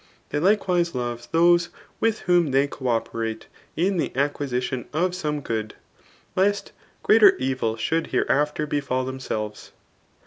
Hiey Iftt wise love those with whom they co operate in the acqni ^ion of some good, lest greater evil should hereafter befal themselves.